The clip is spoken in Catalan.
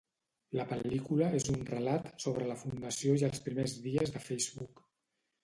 La pel·lícula és un relat sobre la fundació i els primers dies de Facebook.